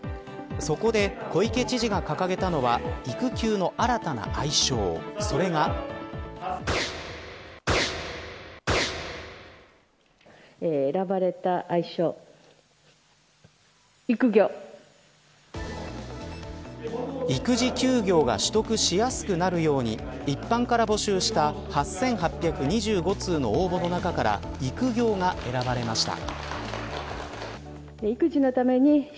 そこで小池知事が掲げたのは育休の新たな愛称それが。育児休業が取得しやすくなるように一般から募集した８８２５通の応募の中から育業が選ばれました。